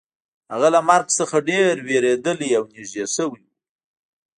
هغه له مرګ څخه ډیر ویریدلی او نږدې شوی و